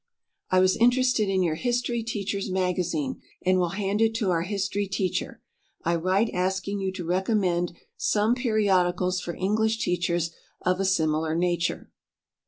"I was interested in your HISTORY TEACHER'S MAGAZINE and will hand it to our history teacher. I write asking you to recommend some periodicals for English teachers of a similar nature."